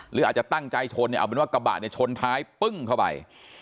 หรืออาจจะตั้งใจชนเนี่ยเอาเป็นว่ากระบะเนี่ยชนท้ายปึ้งเข้าไป